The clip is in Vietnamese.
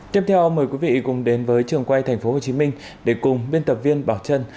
tiếp theo mời quý vị cùng đến với trường quay tp hcm để cùng biên tập viên bảo trân